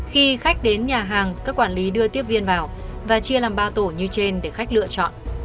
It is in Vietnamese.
khi khách đến nhà hàng các quản lý đưa tiếp viên vào và chia làm ba tổ như trên để khách lựa chọn